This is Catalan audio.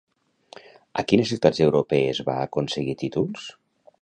A quines ciutats europees va aconseguir títols?